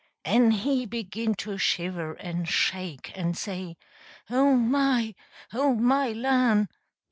En he begin to shiver en shake, en say, "Oh, my! OH, my lan'!"